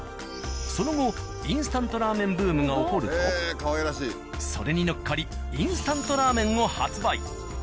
その後インスタントラーメンブームが起こるとそれに乗っかりインスタントラーメンを発売。